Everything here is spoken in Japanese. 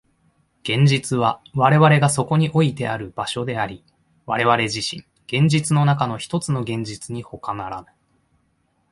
現実は我々がそこにおいてある場所であり、我々自身、現実の中のひとつの現実にほかならぬ。